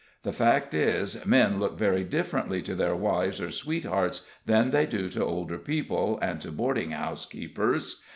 The fact is, men look very differently to their wives or sweethearts than they do to older people and to boarding house keepers.